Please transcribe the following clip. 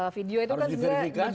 video itu kan sebenarnya tidak berbeda